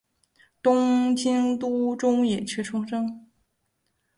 东京都中野区出生。